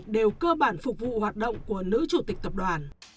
đều cơ bản phục vụ hoạt động của nữ chủ tịch tập đoàn